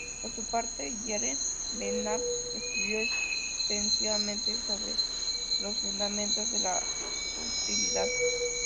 Por su parte, Jeremy Bentham escribió extensivamente sobre los fundamentos de la utilidad.